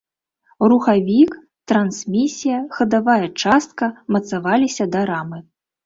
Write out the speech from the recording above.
Рухавік, трансмісія, хадавая частка мацаваліся да рамы.